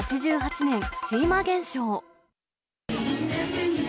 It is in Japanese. ８８年シーマ現象。